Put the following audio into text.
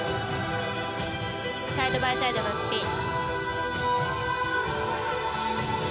サイドバイサイドのスピン。